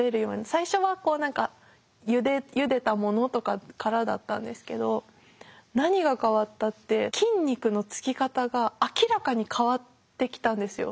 最初はこう何かゆでたものとかからだったんですけど何が変わったって筋肉のつき方が明らかに変わってきたんですよ。